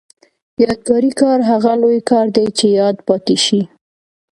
یادګاري کار هغه لوی کار دی چې یاد پاتې شي.